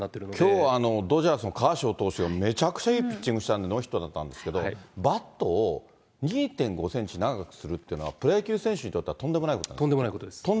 きょうはドジャースのカーショー投手がめちゃくちゃいいピッチングしたんでノーヒットだったんですけど、バットを２．５センチ長くするっていうのは、プロ野球選手にとってはとんでもないことんでもないことです。